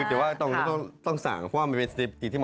ตั้งแต่สาหร่ากะเบลยันลิปสติก